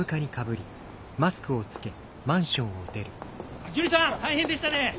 あっジュニさん大変でしたね。